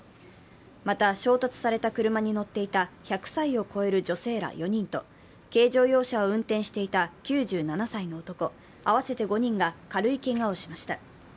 また、衝突された車に乗っていた１００歳を超える女性ら４人と軽乗用車を運転していた９７歳の男、合わせて４人が軽いけがをしました。